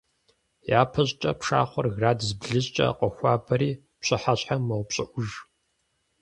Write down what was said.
Япэщӏыкӏэ пшахъуэр градус блыщӏкӏэ къохуабэри, пщыхьэщхьэм мэупщӏыӏуж.